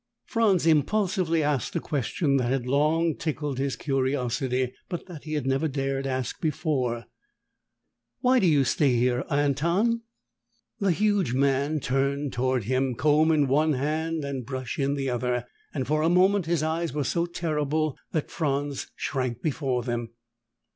Franz impulsively asked a question that had long tickled his curiosity, but that he had never dared ask before. "Why do you stay here, Anton?" The huge man turned toward him, comb in one hand and brush in the other, and for a moment his eyes were so terrible that Franz shrank before them.